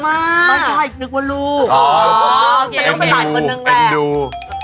มากนึกว่ารูปอ๋อโอเคเป็นดู